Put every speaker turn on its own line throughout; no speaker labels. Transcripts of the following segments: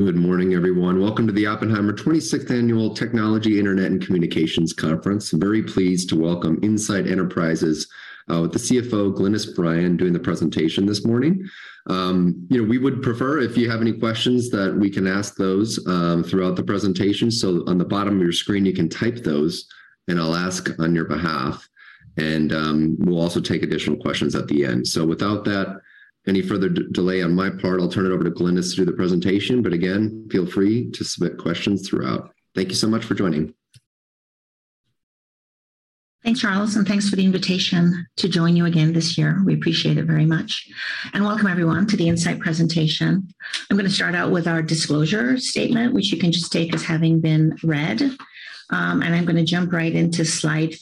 Good morning, everyone. Welcome to the Oppenheimer 26th Annual Technology, Internet & Communications Conference. Very pleased to welcome Insight Enterprises, with the CFO, Glynis Bryan, doing the presentation this morning. You know, we would prefer, if you have any questions, that we can ask those throughout the presentation. On the bottom of your screen, you can type those, and I'll ask on your behalf. We'll also take additional questions at the end. Without that, any further delay on my part, I'll turn it over to Glynis to do the presentation, but again, feel free to submit questions throughout. Thank you so much for joining.
Thanks, Charles, thanks for the invitation to join you again this year. We appreciate it very much, welcome everyone to the Insight presentation. I'm gonna start out with our disclosure statement, which you can just take as having been read. I'm gonna jump right into slide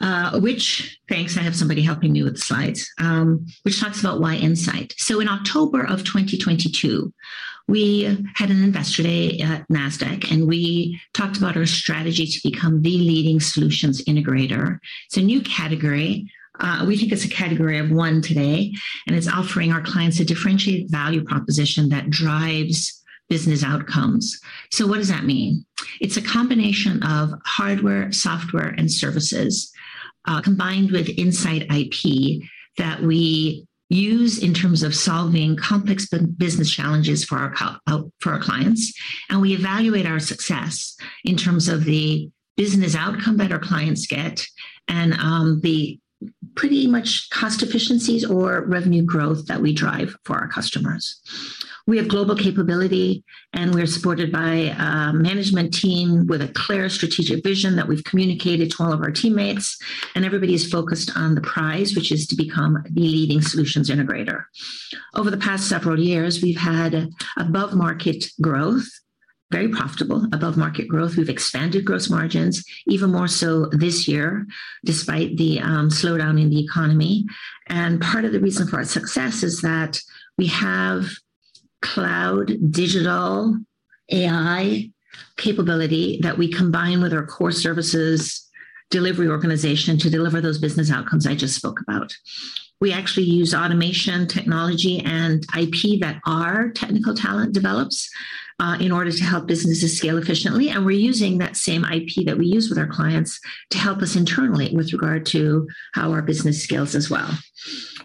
3, thanks, I have somebody helping me with the slides. Which talks about why Insight. In October of 2022, we had an Investor Day at Nasdaq, we talked about our strategy to become the leading solutions integrator. It's a new category. We think it's a category of one today, it's offering our clients a differentiated value proposition that drives business outcomes. What does that mean? It's a combination of hardware, software, and services, combined with Insight IP, that we use in terms of solving complex business challenges for our clients. We evaluate our success in terms of the business outcome that our clients get and the pretty much cost efficiencies or revenue growth that we drive for our customers. We have global capability, and we're supported by a management team with a clear strategic vision that we've communicated to all of our teammates, and everybody is focused on the prize, which is to become the leading solutions integrator. Over the past several years, we've had above-market growth, very profitable above-market growth. We've expanded gross margins even more so this year, despite the slowdown in the economy. Part of the reason for our success is that we have cloud, digital, AI capability that we combine with our core services delivery organization to deliver those business outcomes I just spoke about. We actually use automation technology and IP that our technical talent develops in order to help businesses scale efficiently, and we're using that same IP that we use with our clients to help us internally with regard to how our business scales as well.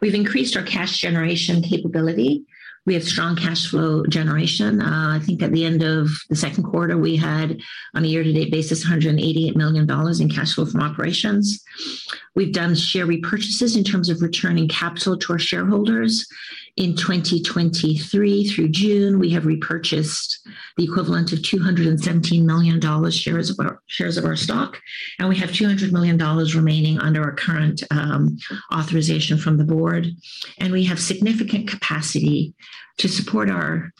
We've increased our cash generation capability. We have strong cash flow generation. I think at the end of the second quarter, we had, on a year-to-date basis, $188 million in cash flow from operations. We've done share repurchases in terms of returning capital to our shareholders. In 2023, through June, we have repurchased the equivalent of $217 million shares of our, shares of our stock, and we have $200 million remaining under our current authorization from the board. We have significant capacity to support our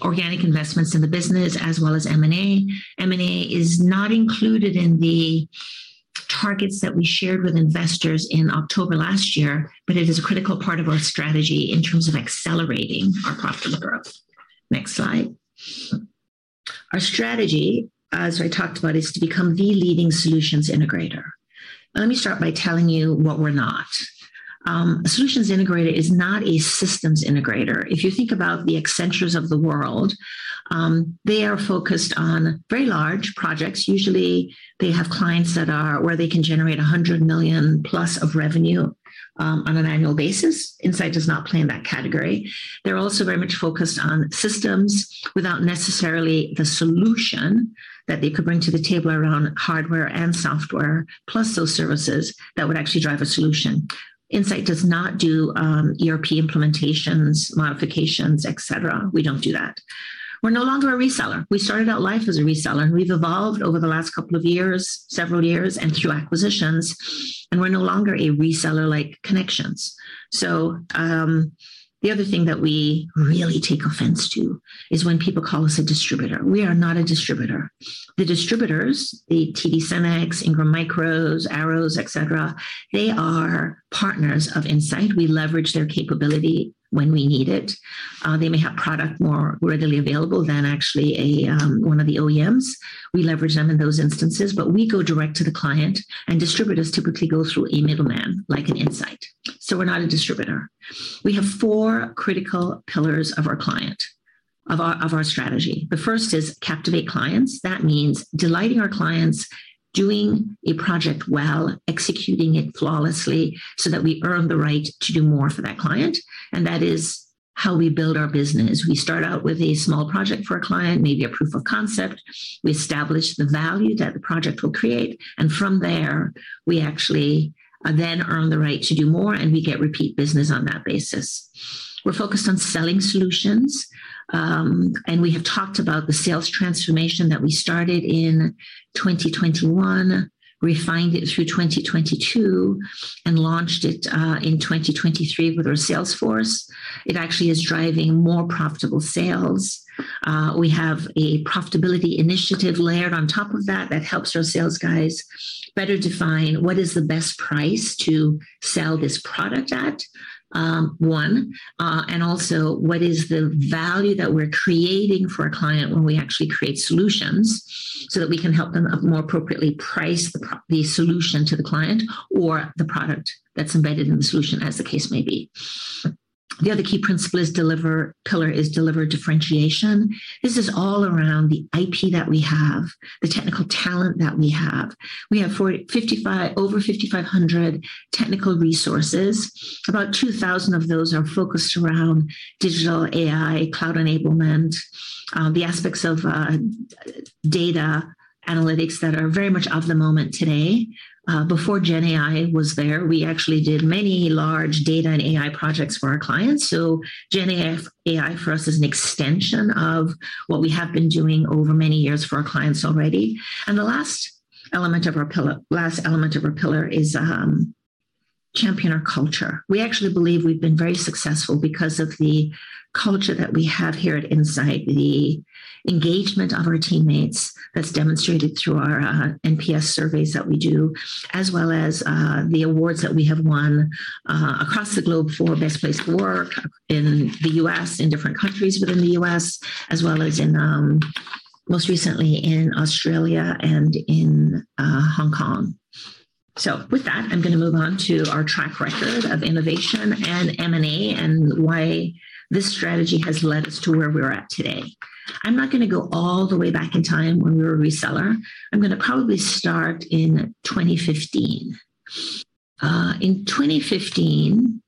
organic investments in the business, as well as M&A. M&A is not included in the targets that we shared with investors in October last year, it is a critical part of our strategy in terms of accelerating our profitable growth. Next slide. Our strategy, as I talked about, is to become the leading solutions integrator. Let me start by telling you what we're not. A solutions integrator is not a systems integrator. If you think about the Accenture of the world, they are focused on very large projects. Usually, they have clients that are... where they can generate $100 million+ of revenue on an annual basis. Insight does not play in that category. They're also very much focused on systems without necessarily the solution that they could bring to the table around hardware and software, plus those services that would actually drive a solution. Insight does not do ERP implementations, modifications, et cetera. We don't do that. We're no longer a reseller. We started out life as a reseller, and we've evolved over the last couple of years, several years, and through acquisitions, and we're no longer a reseller like Connection. The other thing that we really take offense to is when people call us a distributor. We are not a distributor. The distributors, the TD SYNNEX, Ingram Micro, Arrow, et cetera, they are partners of Insight. We leverage their capability when we need it. They may have product more readily available than actually a, one of the OEMs. We leverage them in those instances, but we go direct to the client, and distributors typically go through a middleman like an Insight, so we're not a distributor. We have four critical pillars of our client, of our, of our strategy. The first is captivate clients. That means delighting our clients, doing a project well, executing it flawlessly, so that we earn the right to do more for that client, and that is how we build our business. We start out with a small project for a client, maybe a proof of concept. We establish the value that the project will create, and from there, we actually then earn the right to do more, and we get repeat business on that basis. We're focused on selling solutions, and we have talked about the sales transformation that we started in 2021, refined it through 2022, and launched it in 2023 with our sales force. It actually is driving more profitable sales. We have a profitability initiative layered on top of that, that helps our sales guys better define what is the best price to sell this product at, one, and also what is the value that we're creating for a client when we actually create solutions, so that we can help them more appropriately price the solution to the client or the product that's embedded in the solution, as the case may be. The other key pillar is deliver differentiation. This is all around the IP that we have, the technical talent that we have. We have over 5,500 technical resources. About 2,000 of those are focused around digital AI, cloud enablement, the aspects of data analytics that are very much of the moment today. Before GenAI was there, we actually did many large data and AI projects for our clients. GenAI, AI for us, is an extension of what we have been doing over many years for our clients already. The last element of our pillar is champion our culture. We actually believe we've been very successful because of the culture that we have here at Insight, the engagement of our teammates that's demonstrated through our NPS surveys that we do, as well as the awards that we have won across the globe for best place to work in the US, in different countries within the US, as well as in most recently in Australia and in Hong Kong. With that, I'm gonna move on to our track record of innovation and M&A, and why this strategy has led us to where we're at today. I'm not gonna go all the way back in time when we were a reseller. I'm gonna probably start in 2015. In 2015...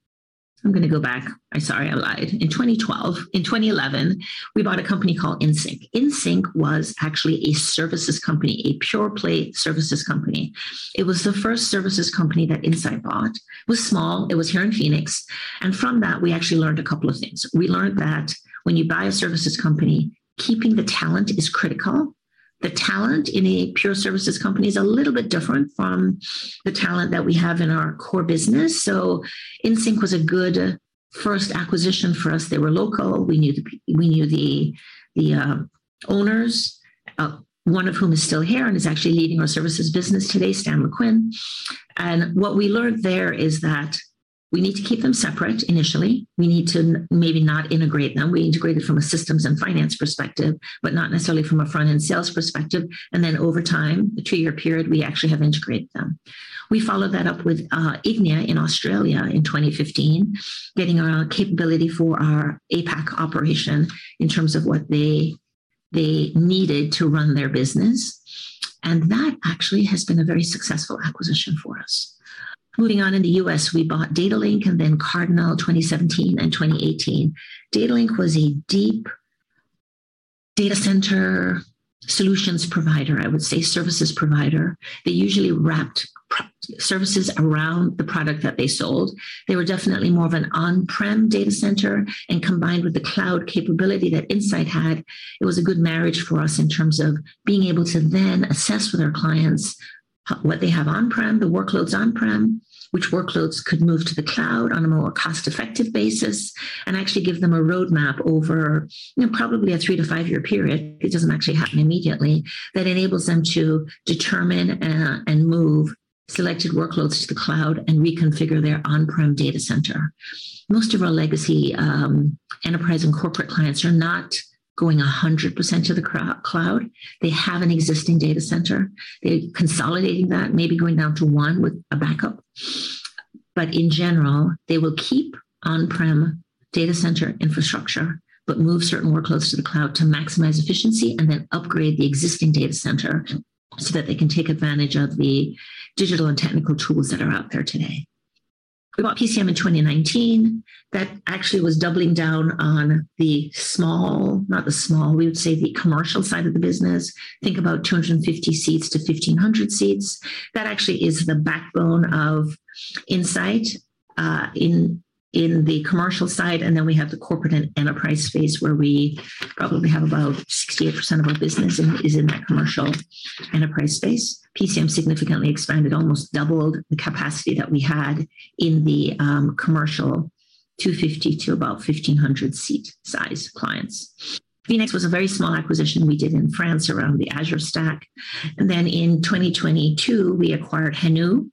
I'm gonna go back. I'm sorry, I lied. In 2012, in 2011, we bought a company called Ensynch. Ensynch was actually a services company, a pure-play services company. It was the first services company that Insight bought. It was small. It was here in Phoenix, and from that, we actually learned two things. We learned that when you buy a services company, keeping the talent is critical. The talent in a pure services company is a little bit different from the talent that we have in our core business, so Ensynch was a good first acquisition for us. They were local. We knew the owners, one of whom is still here and is actually leading our services business today, Stan Lequin. What we learned there is that we need to keep them separate initially. We need to maybe not integrate them. We integrated from a systems and finance perspective, but not necessarily from a front-end sales perspective, and then over time, a two-year period, we actually have integrated them. We followed that up with Ignia in Australia in 2015, getting our capability for our APAC operation in terms of what they, they needed to run their business. That actually has been a very successful acquisition for us. Moving on, in the US, we bought Datalink and then Cardinal, in 2017 and 2018. Datalink was a deep data center solutions provider, I would say, services provider. They usually wrapped services around the product that they sold. They were definitely more of an on-prem data center, and combined with the cloud capability that Insight had, it was a good marriage for us in terms of being able to then assess with our clients what they have on-prem, the workloads on-prem, which workloads could move to the cloud on a more cost-effective basis, and actually give them a roadmap over, you know, probably a three-to-five-year period, it doesn't actually happen immediately, that enables them to determine and move selected workloads to the cloud and reconfigure their on-prem data center. Most of our legacy enterprise and corporate clients are not going 100% to the cloud. They have an existing data center. They're consolidating that, maybe going down to one with a backup. In general, they will keep on-prem data center infrastructure, but move certain workloads to the cloud to maximize efficiency and then upgrade the existing data center so that they can take advantage of the digital and technical tools that are out there today. We bought PCM in 2019. That actually was doubling down on the small... not the small, we would say the commercial side of the business. Think about 250 seats to 1,500 seats. That actually is the backbone of Insight in, in the commercial side, and then we have the corporate and enterprise space, where we probably have about 68% of our business is in that commercial enterprise space. PCM significantly expanded, almost doubled the capacity that we had in the commercial 250 to about 1,500 seat size clients. Fenix was a very small acquisition we did in France around the Azure Stack. Then in 2022, we acquired Hanu,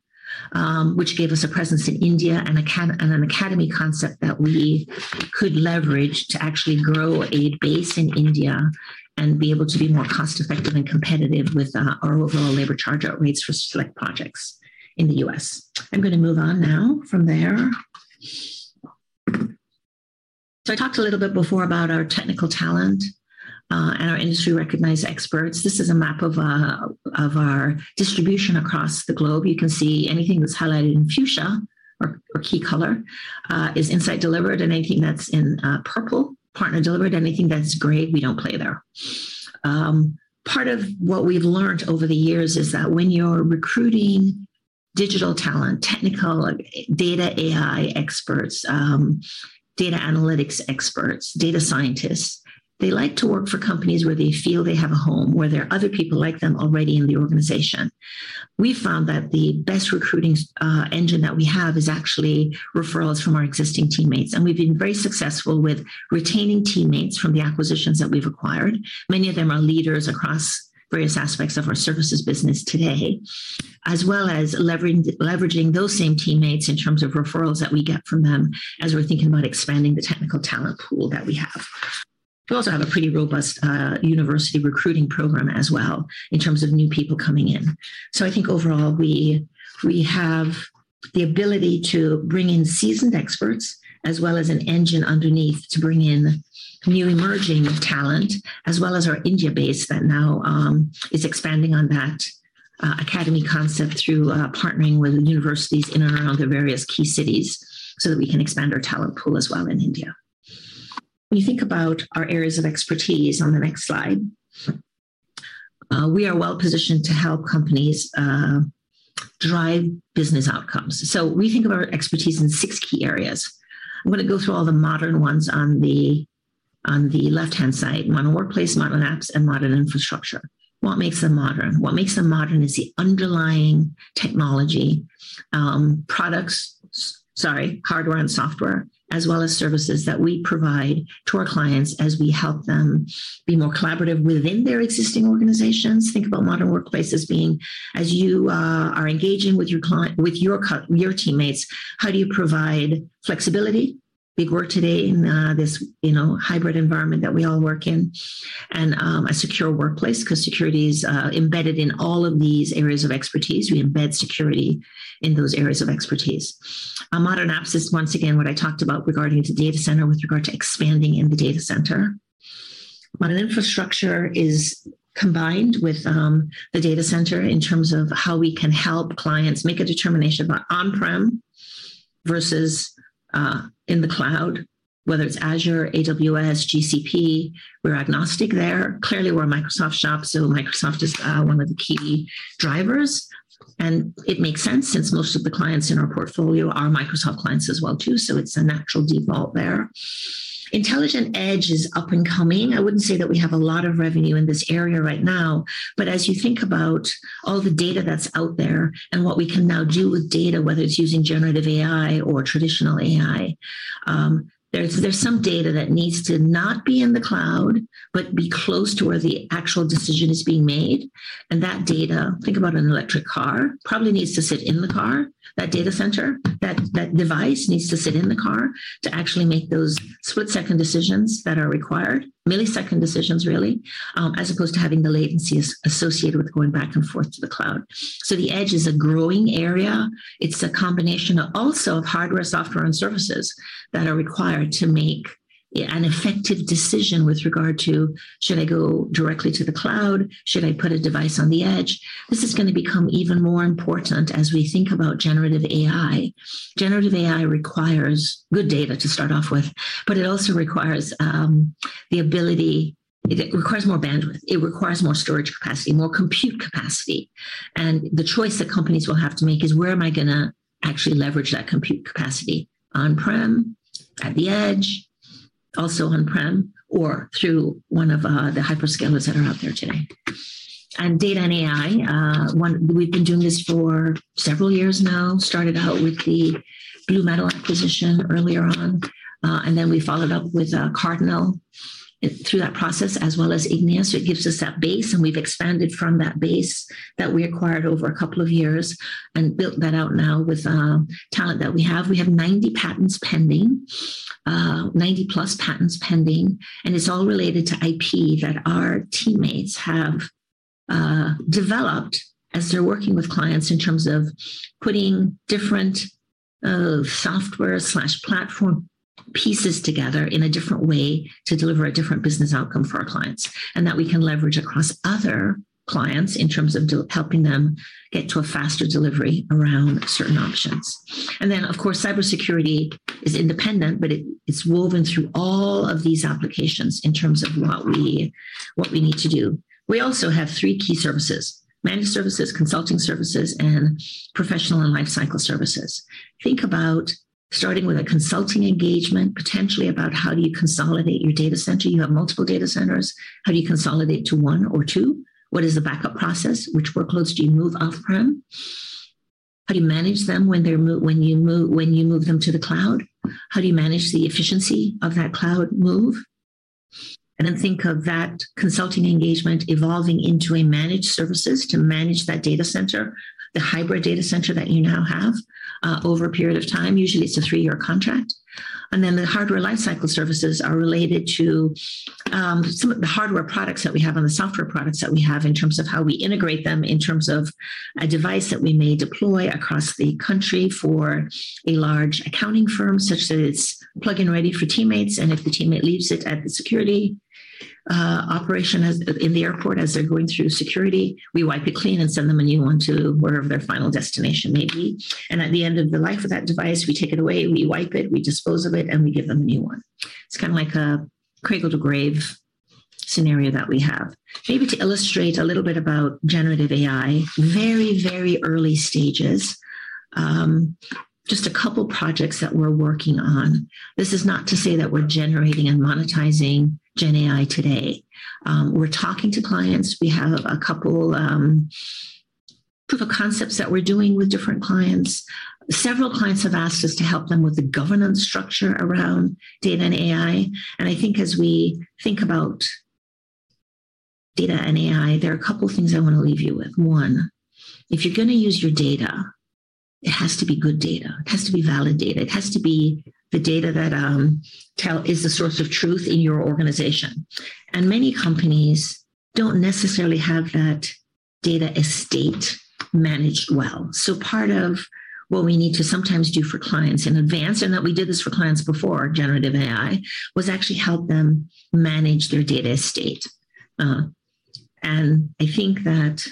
which gave us a presence in India and an academy concept that we could leverage to actually grow a base in India and be able to be more cost-effective and competitive with our overall labor charge-out rates for select projects in the US. I'm gonna move on now from there. I talked a little bit before about our technical talent and our industry-recognized experts. This is a map of our distribution across the globe. You can see anything that's highlighted in fuchsia or key color is Insight delivered, and anything that's in purple, partner delivered, anything that's gray, we don't play there. Part of what we've learned over the years is that when you're recruiting digital talent, technical, data AI experts, data analytics experts, data scientists, they like to work for companies where they feel they have a home, where there are other people like them already in the organization. We found that the best recruiting engine that we have is actually referrals from our existing teammates, and we've been very successful with retaining teammates from the acquisitions that we've acquired. Many of them are leaders across various aspects of our services business today. As well as leveraging, leveraging those same teammates in terms of referrals that we get from them as we're thinking about expanding the technical talent pool that we have. We also have a pretty robust university recruiting program as well in terms of new people coming in. I think overall, we, we have the ability to bring in seasoned experts, as well as an engine underneath to bring in new emerging talent, as well as our India base that now, is expanding on that, academy concept through, partnering with universities in and around the various key cities so that we can expand our talent pool as well in India. When you think about our areas of expertise on the next slide, we are well positioned to help companies, drive business outcomes. We think of our expertise in six key areas. I'm gonna go through all the modern ones on the, on the left-hand side: modern workplace, modern apps, and modern infrastructure. What makes them modern? What makes them modern is the underlying technology, products-- sorry, hardware and software, as well as services that we provide to our clients as we help them be more collaborative within their existing organizations. Think about modern workplace as being, as you are engaging with your client-- with your co- your teammates, how do you provide flexibility? Big word today in this, you know, hybrid environment that we all work in. A secure workplace, 'cause security is embedded in all of these areas of expertise. We embed security in those areas of expertise. Modern apps is, once again, what I talked about regarding the data center with regard to expanding in the data center. Modern infrastructure is combined with the data center in terms of how we can help clients make a determination about on-prem versus in the cloud, whether it's Azure, AWS, GCP, we're agnostic there. Clearly, we're a Microsoft shop, so Microsoft is one of the key drivers, and it makes sense since most of the clients in our portfolio are Microsoft clients as well too, so it's a natural default there. Intelligent edge is up and coming. I wouldn't say that we have a lot of revenue in this area right now, but as you think about all the data that's out there and what we can now do with data, whether it's using generative AI or traditional AI, there's, there's some data that needs to not be in the cloud, but be close to where the actual decision is being made. That data, think about an electric car, probably needs to sit in the car. That data center, that, that device needs to sit in the car to actually make those split-second decisions that are required. Millisecond decisions, really, as opposed to having the latencies associated with going back and forth to the cloud. The edge is a growing area. It's a combination also of hardware, software, and services that are required to make an effective decision with regard to: Should I go directly to the cloud? Should I put a device on the edge? This is gonna become even more important as we think about generative AI. Generative AI requires good data to start off with, but it also requires, the ability... It requires more bandwidth, it requires more storage capacity, more compute capacity. The choice that companies will have to make is, where am I gonna actually leverage that compute capacity? On-prem, at the intelligent edge, also on-prem, or through one of the hyperscalers that are out there today. Data and AI, we've been doing this for several years now. Started out with the BlueMetal acquisition earlier on, and then we followed up with Cardinal through that process, as well as Ignia. It gives us that base, and we've expanded from that base that we acquired over a couple of years and built that out now with talent that we have. We have 90 patents pending, 90-plus patents pending, and it's all related to IP that our teammates have developed as they're working with clients in terms of putting different software/platform pieces together in a different way to deliver a different business outcome for our clients, and that we can leverage across other clients in terms of helping them get to a faster delivery around certain options. Of course, cybersecurity is independent, but it, it's woven through all of these applications in terms of what we, what we need to do. We also have three key services: managed services, consulting services, and professional and lifecycle services. Think about starting with a consulting engagement, potentially about how do you consolidate your data center. You have multiple data centers, how do you consolidate to one or two? What is the backup process? Which workloads do you move off-prem? How do you manage them when they're when you move them to the cloud? How do you manage the efficiency of that cloud move? Then think of that consulting engagement evolving into a managed services to manage that data center, the hybrid data center that you now have over a period of time. Usually, it's a three-year contract. Then the hardware lifecycle services are related to some of the hardware products that we have and the software products that we have in terms of how we integrate them, in terms of a device that we may deploy across the country for a large accounting firm, such that it's plug-in-ready for teammates, and if the teammate leaves it at the security operation in the airport, as they're going through security, we wipe it clean and send them a new one to wherever their final destination may be. At the end of the life of that device, we take it away, we wipe it, we dispose of it, and we give them a new one. It's kind of like a cradle-to-grave scenario that we have. Maybe to illustrate a little bit about generative AI, very, very early stages, just a couple projects that we're working on. This is not to say that we're generating and monetizing GenAI today. We're talking to clients. We have a couple proof of concepts that we're doing with different clients. Several clients have asked us to help them with the governance structure around data and AI. I think as we think about data and AI, there are a couple of things I want to leave you with. One, if you're going to use your data, it has to be good data. It has to be validated. It has to be the data that is the source of truth in your organization. Many companies don't necessarily have that data estate managed well. Part of what we need to sometimes do for clients in advance, and that we did this for clients before generative AI, was actually help them manage their data estate. I think that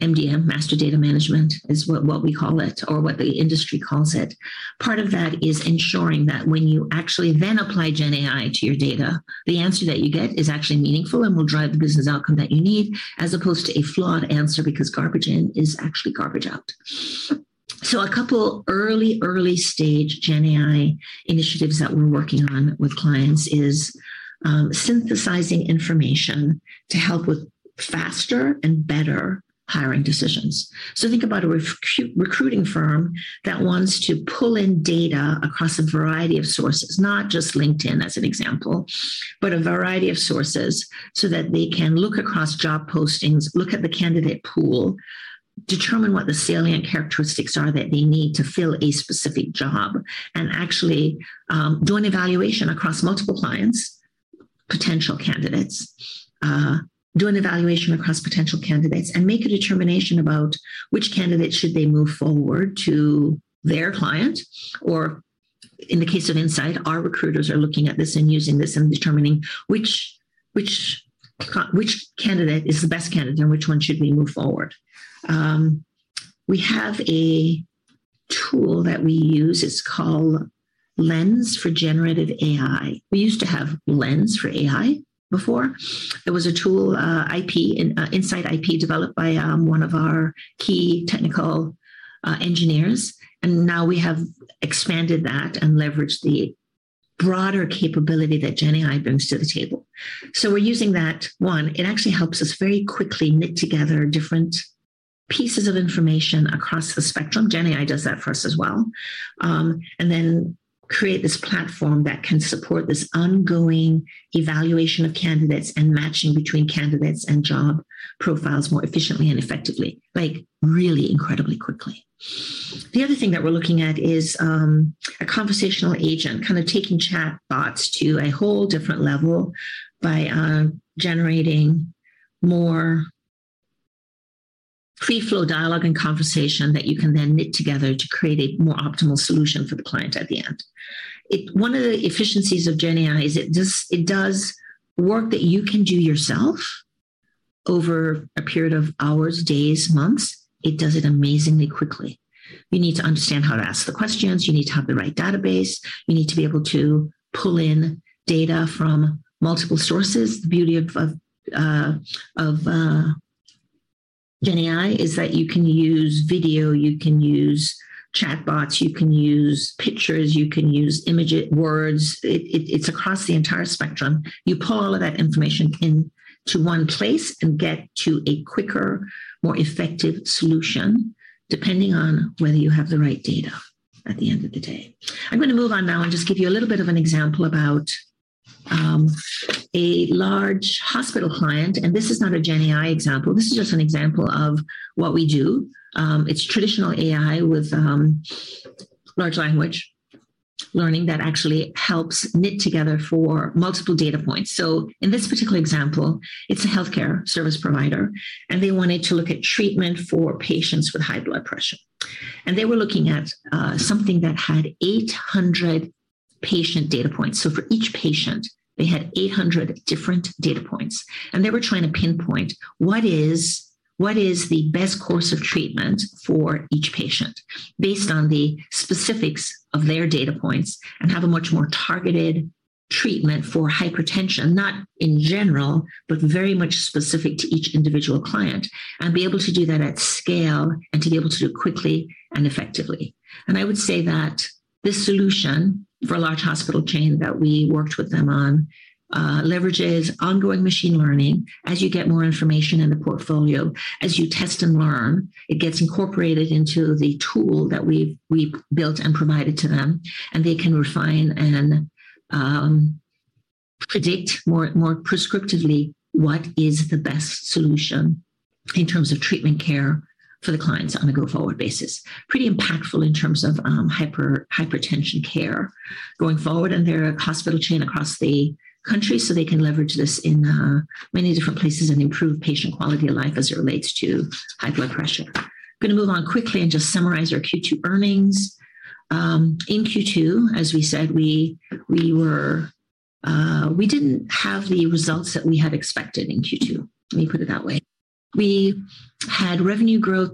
MDM, Master Data Management, is what, what we call it or what the industry calls it. Part of that is ensuring that when you actually then apply Gen AI to your data, the answer that you get is actually meaningful and will drive the business outcome that you need, as opposed to a flawed answer, because garbage in is actually garbage out. A couple early, early stage Gen AI initiatives that we're working on with clients is synthesizing information to help with faster and better hiring decisions. Think about a recruiting firm that wants to pull in data across a variety of sources, not just LinkedIn, as an example, but a variety of sources, so that they can look across job postings, look at the candidate pool, determine what the salient characteristics are that they need to fill a specific job, and actually, do an evaluation across multiple clients, potential candidates. Do an evaluation across potential candidates and make a determination about which candidate should they move forward to their client. Or in the case of Insight, our recruiters are looking at this and using this and determining which, which candidate is the best candidate and which one should we move forward. We have a tool that we use, it's called Lens for Generative AI. We used to have Lens for AI before. It was a tool, IP, in Insight IP, developed by one of our key technical engineers, and now we have expanded that and leveraged the broader capability that Gen AI brings to the table. We're using that. One, it actually helps us very quickly knit together different pieces of information across the spectrum. Gen AI does that for us as well. And then create this platform that can support this ongoing evaluation of candidates and matching between candidates and job profiles more efficiently and effectively, like, really incredibly quickly. The other thing that we're looking at is a conversational agent, kind of taking chatbots to a whole different level by generating more free-flow dialogue and conversation that you can then knit together to create a more optimal solution for the client at the end. One of the efficiencies of Gen AI is it does, it does work that you can do yourself over a period of hours, days, months. It does it amazingly quickly. You need to understand how to ask the questions. You need to have the right database. You need to be able to pull in data from multiple sources. The beauty of, of Gen AI is that you can use video, you can use chatbots, you can use pictures, you can use image, words. It's across the entire spectrum. You pull all of that information into one place and get to a quicker, more effective solution, depending on whether you have the right data at the end of the day. I'm going to move on now and just give you a little bit of an example about a large hospital client, and this is not a Gen AI example. This is just an example of what we do. It's traditional AI with large language learning that actually helps knit together for multiple data points. In this particular example, it's a healthcare service provider, and they wanted to look at treatment for patients with high blood pressure. They were looking at something that had 800 patient data points. For each patient, they had 800 different data points, and they were trying to pinpoint what is, what is the best course of treatment for each patient based on the specifics of their data points, and have a much more targeted treatment for hypertension, not in general, but very much specific to each individual client, and be able to do that at scale and to be able to do it quickly and effectively. I would say that this solution for a large hospital chain that we worked with them on, leverages ongoing machine learning. As you get more information in the portfolio, as you test and learn, it gets incorporated into the tool that we've, we've built and provided to them, and they can refine and predict more, more prescriptively what is the best solution in terms of treatment care for the clients on a go-forward basis. Pretty impactful in terms of hypertension care going forward in their hospital chain across the country, so they can leverage this in many different places and improve patient quality of life as it relates to high blood pressure. I'm going to move on quickly and just summarize our Q2 earnings. In Q2, as we said, we, we were, we didn't have the results that we had expected in Q2. Let me put it that way. We had revenue growth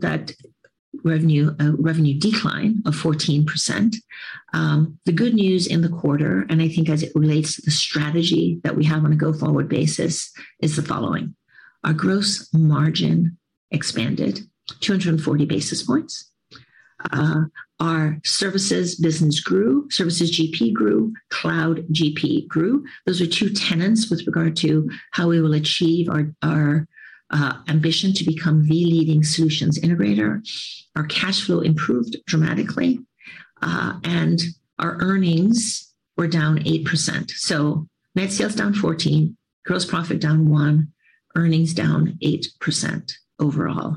revenue decline of 14%. The good news in the quarter, as it relates to the strategy that we have on a go-forward basis, is the following: Our gross margin expanded 240 basis points. Our services business grew, services GP grew, cloud GP grew. Those are two tenants with regard to how we will achieve our, our ambition to become the leading solutions integrator. Our cash flow improved dramatically, and our earnings... we're down 8%. Net sales down 14%, gross profit down 1%, earnings down 8% overall.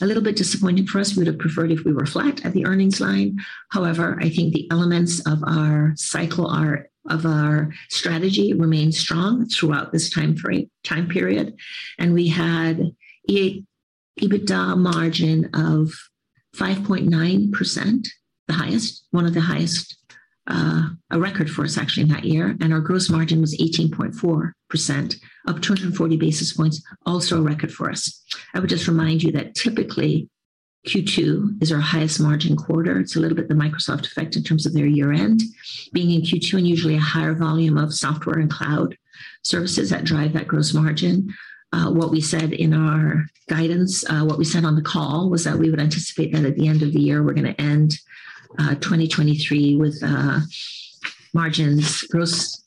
A little bit disappointing for us. We would have preferred if we were flat at the earnings line. However, I think the elements of our cycle, our of our strategy remain strong throughout this time frame, time period, and we had EBITDA margin of 5.9%, the highest, one of the highest, a record for us actually in that year. Our gross margin was 18.4%, up 240 basis points, also a record for us. I would just remind you that typically, Q2 is our highest margin quarter. It's a little bit the Microsoft effect in terms of their year-end. Being in Q2, and usually a higher volume of software and cloud services that drive that gross margin. What we said in our guidance, what we said on the call, was that we would anticipate that at the end of the year, we're gonna end 2023 with margins, gross,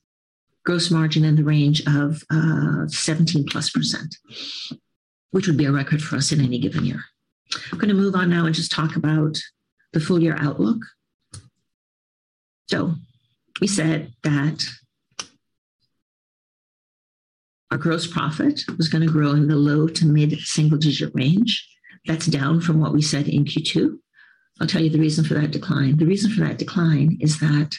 gross margin in the range of 17+%, which would be a record for us in any given year. I'm gonna move on now and just talk about the full year outlook. We said that our gross profit was gonna grow in the low to mid-single digit range. That's down from what we said in Q2. I'll tell you the reason for that decline. The reason for that decline is that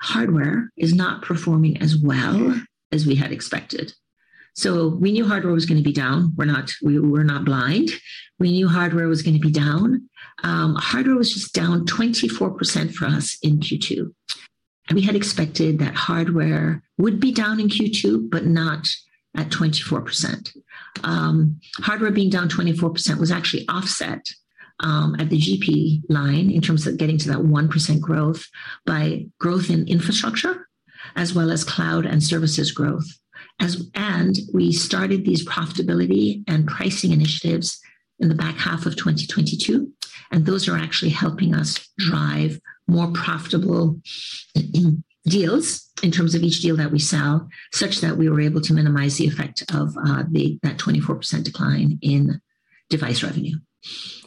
hardware is not performing as well as we had expected. We knew hardware was gonna be down. We're not, we were not blind. We knew hardware was gonna be down. Hardware was just down 24% for us in Q2. We had expected that hardware would be down in Q2, but not at 24%. Hardware being down 24% was actually offset at the GP line in terms of getting to that 1% growth by growth in infrastructure, as well as cloud and services growth. We started these profitability and pricing initiatives in the back half of 2022, and those are actually helping us drive more profitable in deals, in terms of each deal that we sell, such that we were able to minimize the effect of the, that 24% decline in device revenue.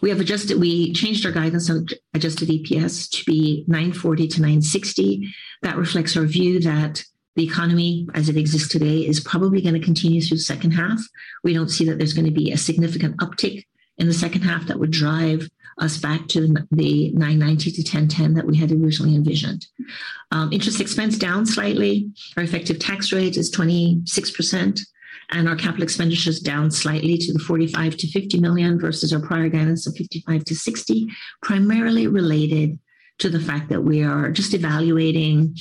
We changed our guidance on adjusted EPS to be $9.40-$9.60. That reflects our view that the economy, as it exists today, is probably gonna continue through the second half. We don't see that there's gonna be a significant uptick in the second half that would drive us back to the $9.90-$10.10 that we had originally envisioned. Interest expense down slightly. Our effective tax rate is 26%, and our capital expenditures down slightly to $45 million-$50 million versus our prior guidance of $55 million-$60 million, primarily related to the fact that we are just evaluating,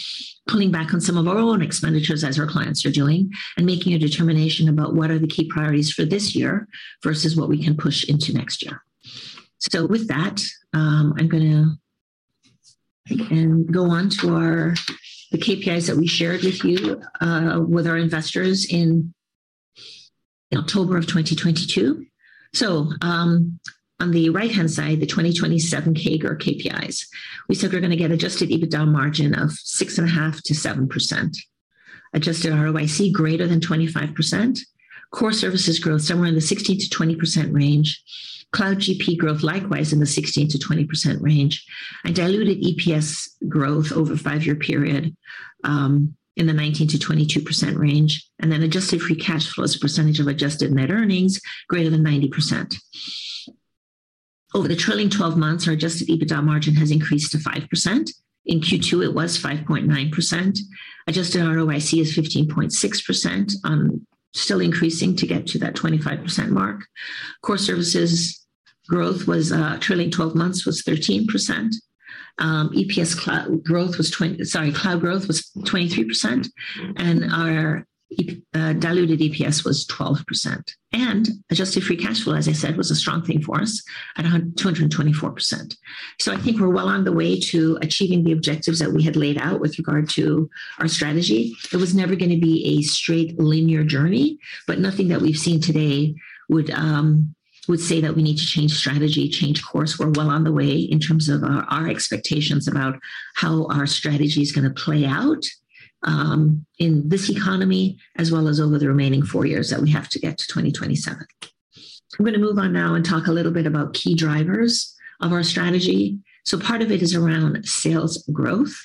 pulling back on some of our own expenditures as our clients are doing, and making a determination about what are the key priorities for this year versus what we can push into next year. With that, I'm gonna go on to our, the KPIs that we shared with you, with our investors in October of 2022. On the right-hand side, the 2027 CAGR KPIs. We said we're gonna get adjusted EBITDA margin of 6.5%-7%. Adjusted ROIC greater than 25%. Core services growth somewhere in the 16%-20% range. Cloud GP growth, likewise, in the 16%-20% range, diluted EPS growth over a 5-year period, in the 19%-22% range. Adjusted free cash flow as a percentage of adjusted net earnings greater than 90%. Over the trailing twelve months, our adjusted EBITDA margin has increased to 5%. In Q2, it was 5.9%. Adjusted ROIC is 15.6%, still increasing to get to that 25% mark. Core services growth was, trailing twelve months was 13%. EPS cloud growth was sorry, cloud growth was 23%, and our diluted EPS was 12%. Adjusted free cash flow, as I said, was a strong thing for us at a 224%. I think we're well on the way to achieving the objectives that we had laid out with regard to our strategy. It was never gonna be a straight linear journey, but nothing that we've seen today would say that we need to change strategy, change course. We're well on the way in terms of our, our expectations about how our strategy is gonna play out in this economy, as well as over the remaining four years that we have to get to 2027. I'm gonna move on now and talk a little bit about key drivers of our strategy. Part of it is around sales growth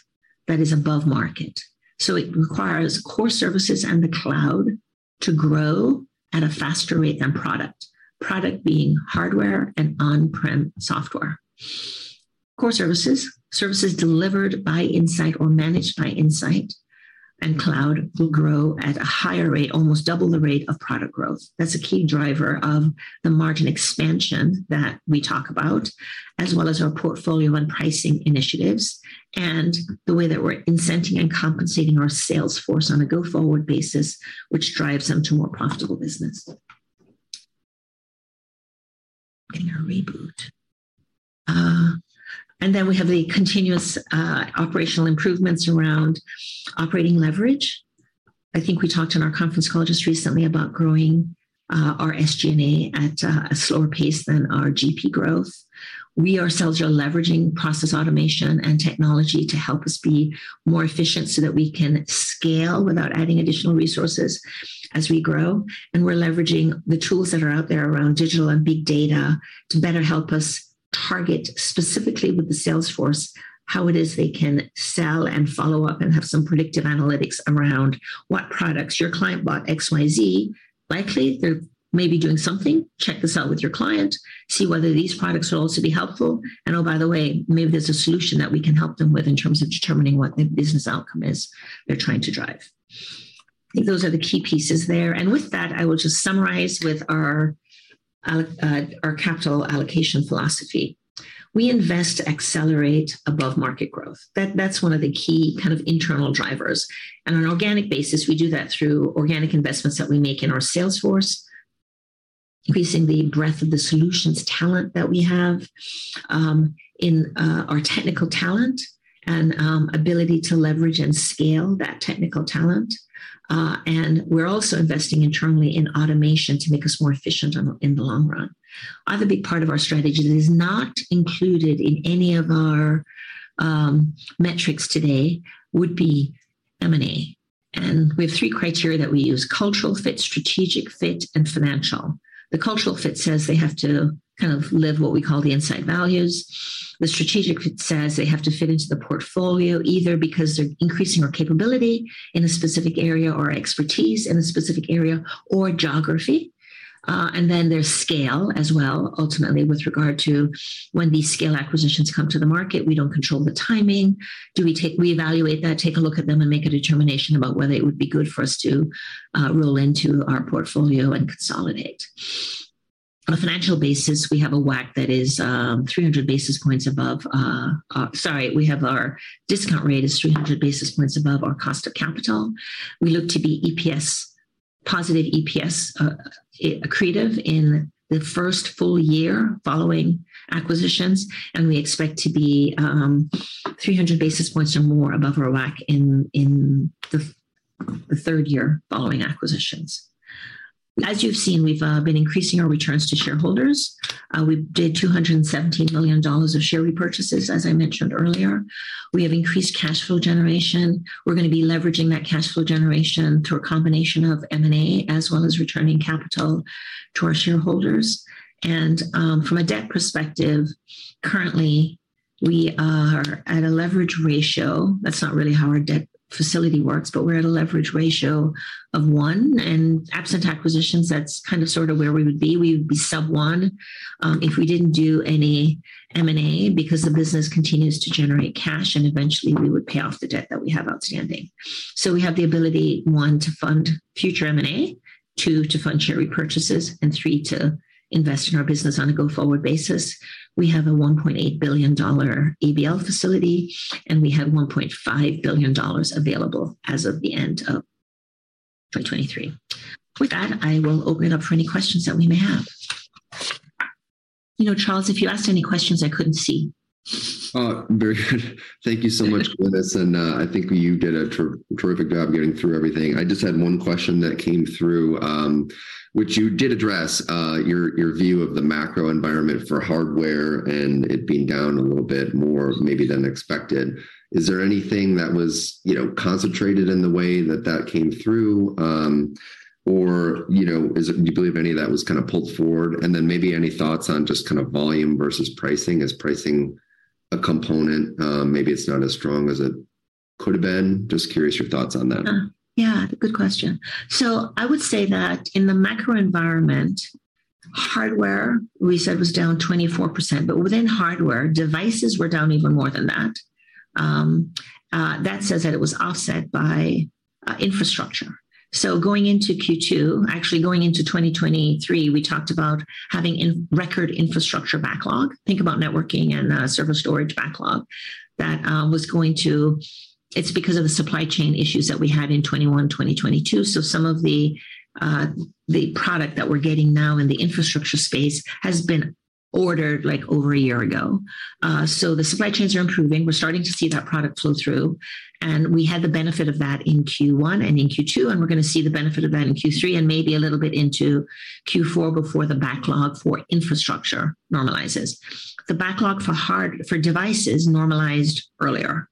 that is above market. It requires core services and the cloud to grow at a faster rate than product. Product being hardware and on-prem software. Core services, services delivered by Insight or managed by Insight and cloud will grow at a higher rate, almost double the rate of product growth. That's a key driver of the margin expansion that we talk about, as well as our portfolio and pricing initiatives, and the way that we're incenting and compensating our sales force on a go-forward basis, which drives them to more profitable business. In a reboot. Then we have the continuous operational improvements around operating leverage. I think we talked in our conference call just recently about growing our SG&A at a slower pace than our GP growth. We ourselves are leveraging process automation and technology to help us be more efficient so that we can scale without adding additional resources as we grow. We're leveraging the tools that are out there around digital and big data to better help us target specifically with the sales force, how it is they can sell and follow up and have some predictive analytics around what products your client bought, XYZ. Likely, they're maybe doing something, check this out with your client, see whether these products will also be helpful. Oh, by the way, maybe there's a solution that we can help them with in terms of determining what the business outcome is they're trying to drive. I think those are the key pieces there. With that, I will just summarize with our alloc- our capital allocation philosophy. We invest to accelerate above-market growth. That, that's one of the key kind of internal drivers. On an organic basis, we do that through organic investments that we make in our sales force, increasing the breadth of the solutions talent that we have, in our technical talent, and ability to leverage and scale that technical talent. We're also investing internally in automation to make us more efficient in the long run. Other big part of our strategy that is not included in any of our metrics today would be M&A, and we have three criteria that we use: cultural fit, strategic fit, and financial. The cultural fit says they have to kind of live what we call the Insight values. The strategic fit says they have to fit into the portfolio, either because they're increasing our capability in a specific area, or our expertise in a specific area or geography. Then there's scale as well, ultimately, with regard to when these scale acquisitions come to the market, we don't control the timing. We evaluate that, take a look at them, and make a determination about whether it would be good for us to roll into our portfolio and consolidate. On a financial basis, we have our discount rate is 300 basis points above our cost of capital. We look to be EPS, positive EPS, accretive in the first full year following acquisitions, and we expect to be 300 basis points or more above our WACC in, in the, the third year following acquisitions. As you've seen, we've been increasing our returns to shareholders. We did $217 million of share repurchases, as I mentioned earlier. We have increased cash flow generation. We're gonna be leveraging that cash flow generation through a combination of M&A, as well as returning capital to our shareholders. From a debt perspective, currently, we are at a leverage ratio. That's not really how our debt facility works, but we're at a leverage ratio of 1, and absent acquisitions, that's kind of sort of where we would be. We would be sub one, if we didn't do any M&A because the business continues to generate cash, and eventually, we would pay off the debt that we have outstanding. We have the ability, one, to fund future M&A, two, to fund share repurchases, and three, to invest in our business on a go-forward basis. We have a $1.8 billion ABL facility, and we have $1.5 billion available as of the end of 2023. With that, I will open it up for any questions that we may have. You know, Charles, if you asked any questions, I couldn't see.
Very good. Thank you so much, Glynis, and I think you did a terrific job getting through everything. I just had one question that came through, which you did address, your, your view of the macro environment for hardware and it being down a little bit more maybe than expected. Is there anything that was, you know, concentrated in the way that, that came through? Or, you know, do you believe any of that was kind of pulled forward? Then maybe any thoughts on just kind of volume versus pricing? Is pricing a component, maybe it's not as strong as it could have been? Just curious your thoughts on that.
ion. So I would say that in the macro environment, hardware, we said, was down 24%, but within hardware, devices were down even more than that. That says that it was offset by infrastructure. Going into Q2, actually going into 2023, we talked about having a record infrastructure backlog. Think about networking and server storage backlog that was going to... It's because of the supply chain issues that we had in 2021, 2022. So some of the product that we're getting now in the infrastructure space has been ordered, like, over a year ago. So the supply chains are improving. We're starting to see that product flow through, and we had the benefit of that in Q1 and in Q2, and we're gonna see the benefit of that in Q3, and maybe a little bit into Q4, before the backlog for infrastructure normalizes. The backlog for devices normalized earlier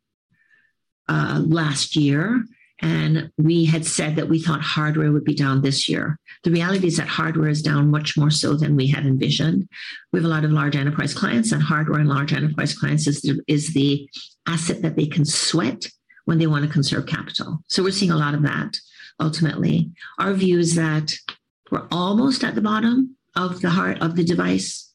last year, and we had said that we thought hardware would be down this year. The reality is that hardware is down much more so than we had envisioned. We have a lot of large enterprise clients, and hardware and large enterprise clients is the, is the asset that they can sweat when they wanna conserve capital. We're seeing a lot of that ultimately. Our view is that we're almost at the bottom of the heart of the device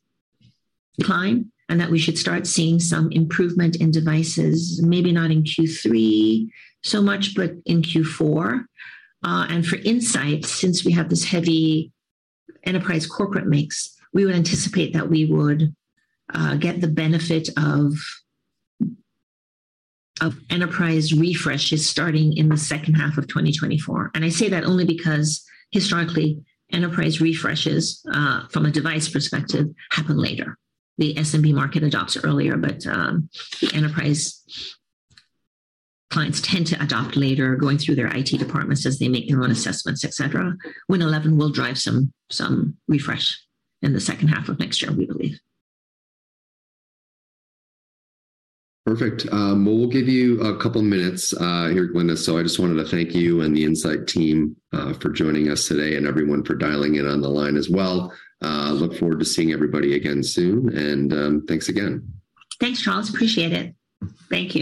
decline, and that we should start seeing some improvement in devices, maybe not in Q3 so much, but in Q4. For Insight, since we have this heavy enterprise corporate mix, we would anticipate that we would get the benefit of, of enterprise refreshes starting in the second half of 2024. I say that only because historically, enterprise refreshes from a device perspective, happen later. The SMB market adopts it earlier, but the enterprise clients tend to adopt later, going through their IT departments as they make their own assessments, et cetera. Windows 11 will drive some, some refresh in the second half of next year, we believe.
Perfect. Well, we'll give you 2 minutes here, Glynis. I just wanted to thank you and the Insight team for joining us today and everyone for dialing in on the line as well. Look forward to seeing everybody again soon, and thanks again.
Thanks, Charles. Appreciate it. Thank you.